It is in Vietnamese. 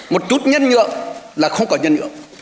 một chút nhân nhượng là không có nhân nhượng